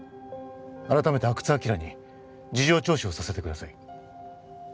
改めて阿久津晃に事情聴取をさせてください